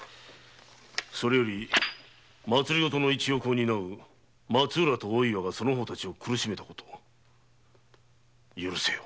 それより政治の一翼を担う松浦と大岩がその方たちを苦しめた事許せよ。